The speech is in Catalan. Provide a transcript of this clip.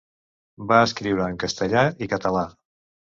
Va escriure en castellà i català.